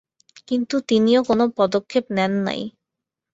কিন্তু তিনিও কোনো পদক্ষেপ নেন নাই।